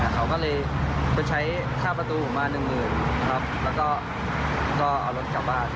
เขาก็เลยใช้ค่าประตูของบ้าน๑๐๐๐๐ครับแล้วก็เอารถกลับบ้าน